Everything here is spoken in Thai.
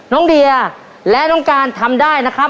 น้องเดียและน้องการทำได้นะครับ